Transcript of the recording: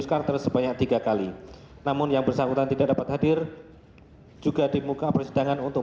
karakter sebanyak tiga kali namun yang bersangkutan tidak dapat hadir juga di muka persidangan untuk